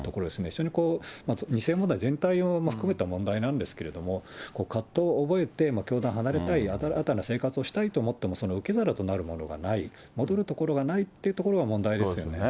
それに２世問題全体を含めた問題なんですけれども、葛藤を覚えて、教団離れたい、新たな生活をしたいと思ってもその受け皿となるものがない、戻るところがないというところが問題ですよね。